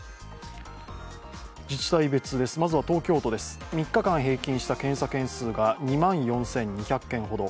自治体別です、まずは東京都では３日間平均した検査件数が２万４０２０件ほど。